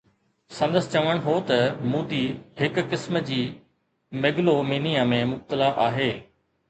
سندس چوڻ هو ته مودي هڪ قسم جي ميگلومينيا ۾ مبتلا آهي.